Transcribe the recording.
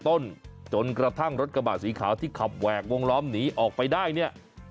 ต้นจนกระทั่งรถกระบะสีขาวที่ขับแหวกวงล้อมหนีออกไปได้เนี่ย